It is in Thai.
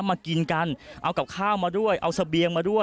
มากินกันเอากับข้าวมาด้วยเอาเสบียงมาด้วย